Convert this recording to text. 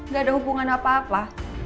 gak ada hubungan apa apa